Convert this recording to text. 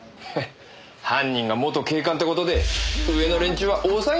犯人が元警官って事で上の連中は大騒ぎだよ。